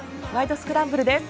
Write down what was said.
スクランブル」です。